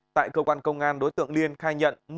tại cơ quan công an đối tượng liên khai nhận